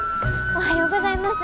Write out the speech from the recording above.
おはようございます。